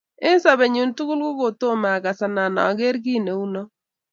eng sobenyu tugul kotomo agas anan ager kiy neunoo